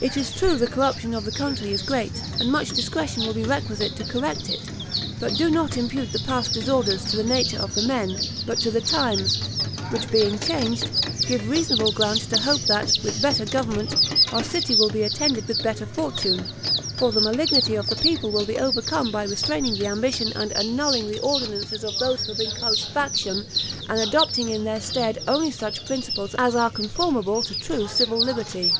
It is true the corruption of the country is great, and much discretion will be requisite to correct it; but do not impute the past disorders to the nature of the men, but to the times, which, being changed, give reasonable ground to hope that, with better government, our city will be attended with better fortune; for the malignity of the people will be overcome by restraining the ambition and annulling the ordinances of those who have encouraged faction, and adopting in their stead only such principles as are conformable to true civil liberty.